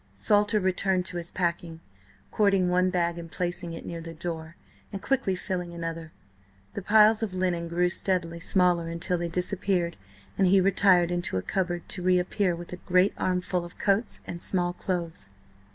Salter returned to his packing, cording one bag and placing it near the door, and quickly filling another. The piles of linen grew steadily smaller until they disappeared, and he retired into a cupboard to reappear with a great armful of coats and small clothes.